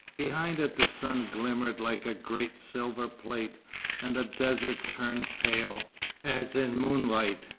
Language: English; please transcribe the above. Behind it the sun glimmered like a great silver plate, and the desert turned pale, as in moonlight.